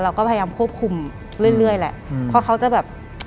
เราก็พยายามควบคุมเรื่อยเรื่อยแหละเพราะเขาจะแบบ